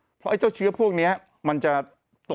แล้วเจ้าเชื้อพวกเนี้ยมันจะตกลองพื้น